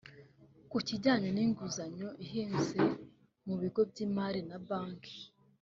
Ku kijyanye n’inguzanyo ihenze mu bigo by’imari na banki